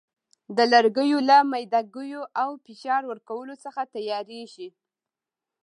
د لرګیو له میده ګیو او فشار ورکولو څخه تیاریږي.